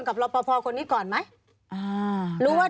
มีความรู้สึกว่ามีความรู้สึกว่า